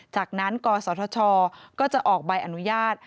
จากนั้นกศธชก็จะออกใบอนุญาต